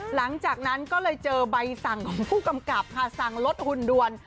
หลังจากนั้นก็เลยเจอใบสั่งของผู้กำกับค่ะสั่งลดหุ่นด่วน